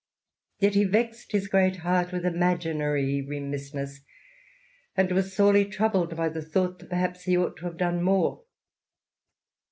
Yet he vexed his great heart with imaginary remissness, and was sorely troubled by the thought that perhaps he ought to have done more.